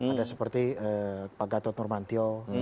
ada seperti pak gatot nurmantio